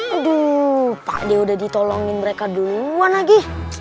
aduh pakde udah ditolongin mereka duluan lagi